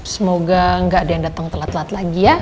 semoga gak ada yang datang telat telat lagi ya